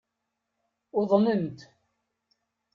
Uḍnent.